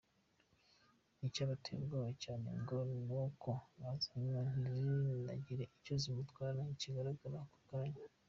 Icyabateye ubwoba cyane ngo ni uko azinywa ntizinagire icyo zimutwara kigaragara ako kanya.